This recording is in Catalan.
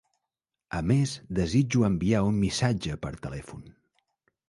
A més, desitjo enviar un missatge per telèfon.